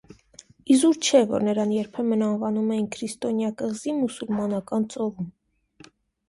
Իզուր չէ, որ նրան երբեմն անվանում էին «քրիստոնյա կղզի մուսուլմանական ծովում»։